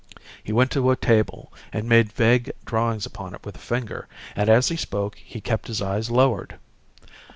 He went to a table and made vague drawings upon it with a finger, and as he spoke he kept his eyes lowered.